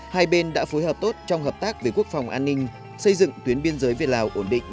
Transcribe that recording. hai bên đã phối hợp tốt trong hợp tác về quốc phòng an ninh xây dựng tuyến biên giới việt lào ổn định